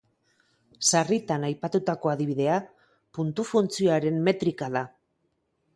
Sarritan aipatutako adibidea puntu-funtzioaren metrika da.